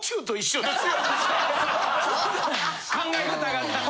考え方がな。